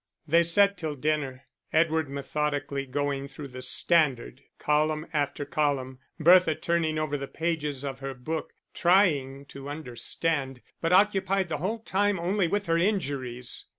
They sat till dinner, Edward methodically going through the Standard, column after column; Bertha turning over the pages of her book, trying to understand, but occupied the whole time only with her injuries.